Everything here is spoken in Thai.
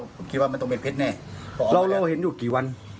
ผมคิดว่ามันต้องเป็นเพชรแน่เรารอเห็นอยู่กี่วัน